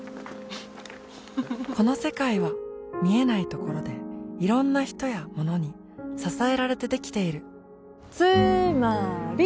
この世界は見えないところでいろんな人やものに支えられてできているつーまーり！